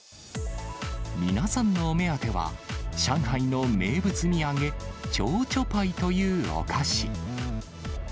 皆さんのお目当ては、上海の名物土産、蝶々パイというお菓子。